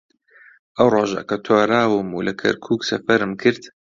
ئەو ڕۆژە کە تۆرام و لە کەرکووک سەفەرم کرد